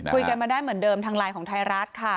คุยกันมาได้เหมือนเดิมทางไลน์ของไทยรัฐค่ะ